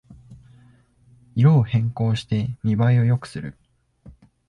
色を変更して見ばえを良くする